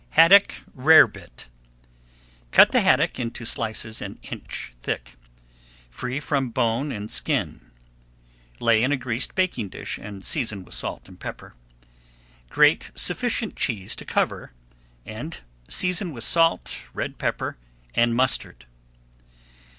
HADDOCK RAREBIT Cut the haddock into slices an inch thick. [Page 165] Free from bone and skin. Lay in a greased baking dish, and season with salt and pepper. Grate sufficient cheese to cover, and season with salt, red pepper, and mustard.